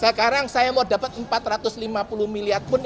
sekarang saya mau dapat empat ratus lima puluh miliar pun